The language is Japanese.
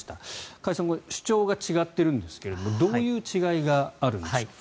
加谷さん主張が違ってるんですけれどもどういう違いがあるんでしょうか。